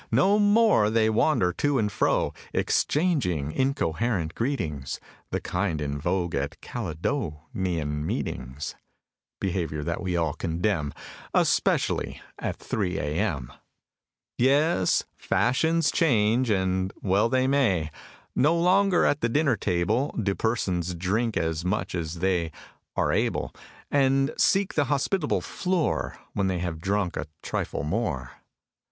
No more they wander to and fro, Exchanging incoherent greetings The kind in vogue at Caledo Nian Meetings (Behavior that we all condemn, Especially at 3 a. m.). Yes; fashions change and well they may! No longer, at the dinner table, Do persons drink as much as they Are able; And seek the hospitable floor, When they have drunk a trifle more.